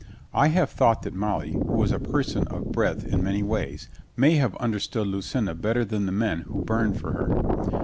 I have thought that Molly, who was a person of breadth in many ways, may have understood Lucinda bet ter than the men who burned for her.